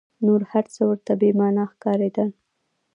نور هر څه ورته بې مانا ښکارېدل.